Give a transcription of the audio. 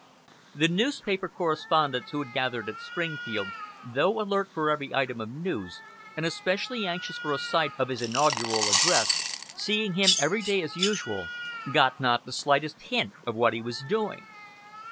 The newspaper correspondents who had gathered at Springfield, though alert for every item of news, and especially anxious for a sight of his inaugural address, seeing him every day as usual, got not the slightest hint of what he was doing.